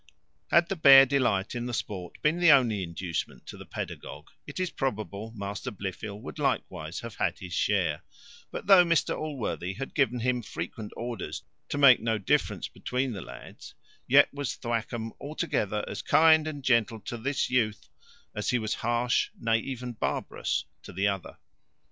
Had the bare delight in the sport been the only inducement to the pedagogue, it is probable Master Blifil would likewise have had his share; but though Mr Allworthy had given him frequent orders to make no difference between the lads, yet was Thwackum altogether as kind and gentle to this youth, as he was harsh, nay even barbarous, to the other.